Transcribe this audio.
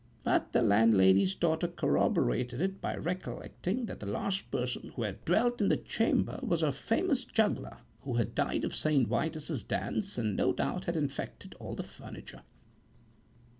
But the landlady's daughter corroborated it by recollecting that the last person who had dwelt in that chamber was a famous juggler who had died of St. Vitus's dance, and no doubt had infected all the furniture.